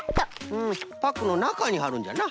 うんパックのなかにはるんじゃな。